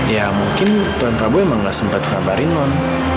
ya mungkin tuan prabu emang gak sempat ngabarin non